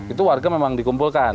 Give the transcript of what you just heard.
itu warga memang dikumpulkan